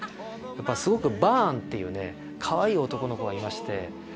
すごくバーンっていうねかわいい男の子がいまして。